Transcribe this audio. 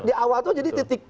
di awal itu jadi titik